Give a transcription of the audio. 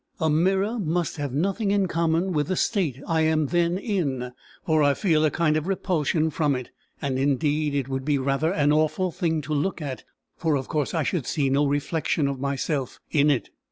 A mirror must have nothing in common with the state I am then in, for I feel a kind of repulsion from it; and indeed it would be rather an awful thing to look at, for of course I should see no reflection of myself in it."